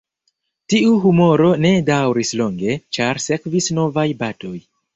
Tiu humoro ne daŭris longe, ĉar sekvis novaj batoj.